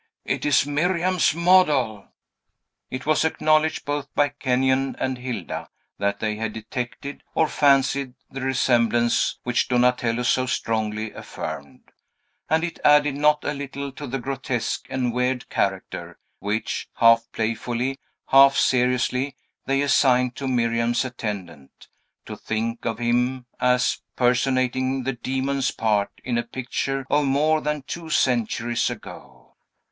"It is Miriam's model!" It was acknowledged both by Kenyon and Hilda that they had detected, or fancied, the resemblance which Donatello so strongly affirmed; and it added not a little to the grotesque and weird character which, half playfully, half seriously, they assigned to Miriam's attendant, to think of him as personating the demon's part in a picture of more than two centuries ago.